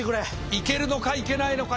行けるのか行けないのか？